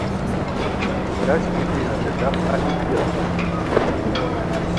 لش بیتی ہتے ڈاق اہی روپھی اسور